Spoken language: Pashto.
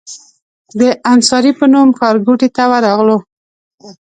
د انصاري په نوم ښارګوټي ته ورغلو.